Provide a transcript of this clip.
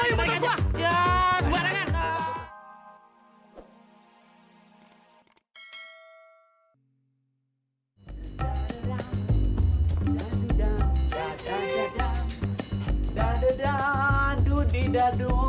ayolah ya muter gua